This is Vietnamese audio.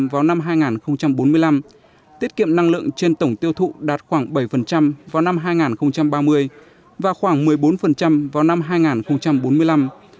hai mươi năm ba mươi vào năm hai nghìn bốn mươi năm tiết kiệm năng lượng trên tổng tiêu thụ đạt khoảng bảy vào năm hai nghìn ba mươi và khoảng một mươi bốn vào năm hai nghìn bốn mươi năm